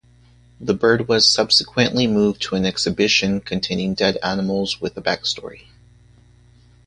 The bird was subsequently moved to an exhibition containing dead animals with a backstory.